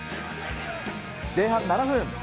前半７分。